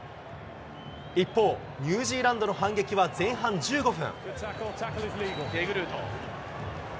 一方、ニュージーランドの反撃は、前半１５分。